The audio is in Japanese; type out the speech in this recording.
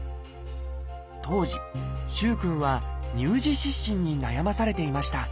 当時萩くんは「乳児湿疹」に悩まされていました。